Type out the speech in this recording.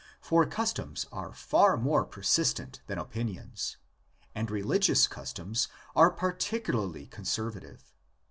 For customs are far more persis tent than opinions, and religious customs are partic ularly conservative.